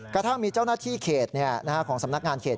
กระทั่งมีเจ้าหน้าที่เขตของสำนักงานเขต